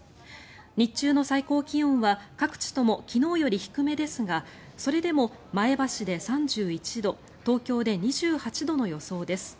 日中の最高気温は各地とも昨日より低めですがそれでも前橋で３１度東京で２８度の予想です。